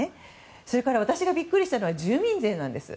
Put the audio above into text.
それから、私がビックリしたのは住民税なんです。